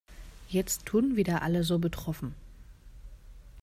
Jetzt tun wieder alle so betroffen.